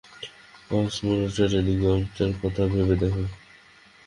Cosmonaut training গ্রাউন্ডটার কথা ভেবে দেখো।